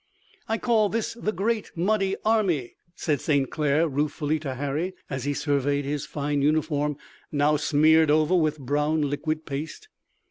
"I call this the Great Muddy Army," said St. Clair, ruefully to Harry, as he surveyed his fine uniform, now smeared over with brown liquid paste.